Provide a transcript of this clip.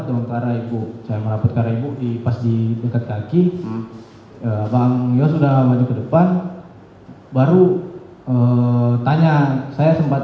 sementara ibu saya merapot karena ibu pas di dekat kaki bang yos sudah maju ke depan baru tanya saya sempat